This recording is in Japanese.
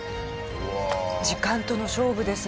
時間との勝負ですね。